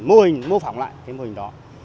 mô hình mô phỏng lại mô hình đó